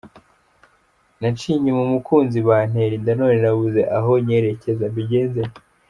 Naciye inyuma umukunzi bantera inda none nabuze aho nyerekeza, mbigenze nte?.